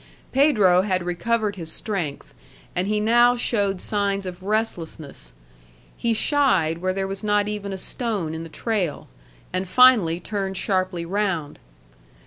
Pedro had recovered his strength, and he now showed signs of restlessness. He shied where there was not even a stone in the trail, and finally turned sharply round.